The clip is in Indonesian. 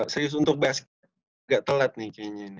serius untuk bebas gak telat nih kayaknya ini